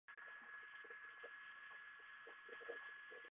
撕裂盾蕨为水龙骨科盾蕨属盾蕨下的一个变型。